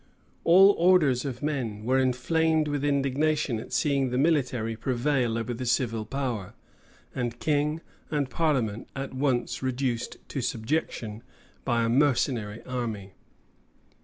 All orders of men were inflamed with indignation at seeing the military prevail over the civil power, and king and parliament at once reduced to subjection by a mercenary army.